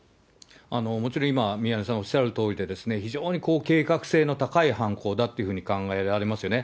もちろん今、宮根さんがおっしゃるとおりで、非常に計画性の高い犯行だというふうに考えられますよね。